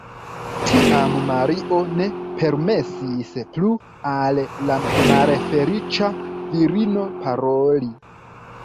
Tiam Mario ne permesis plu al la malfeliĉa virino paroli.